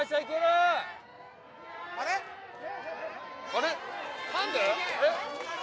・あれ？